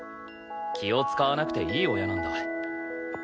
気を使わなくていい親なんだ。